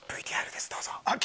ＶＴＲですどうぞ。